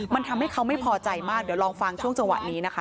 มันทำให้เขาไม่พอใจมากเดี๋ยวลองฟังช่วงจังหวะนี้นะคะ